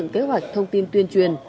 kế hoạch thông tin tuyên truyền